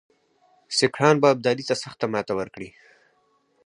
سیکهان به ابدالي ته سخته ماته ورکړي.